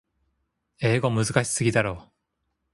英語むずかしすぎだろ。